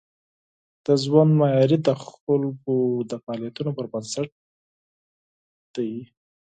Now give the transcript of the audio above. د ژوند معیاري د خلکو د فعالیتونو پر بنسټ دی.